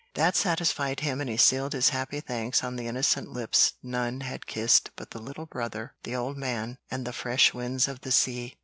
That satisfied him, and he sealed his happy thanks on the innocent lips none had kissed but the little brother, the old man, and the fresh winds of the sea.